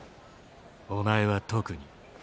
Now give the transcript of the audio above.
お前は特に。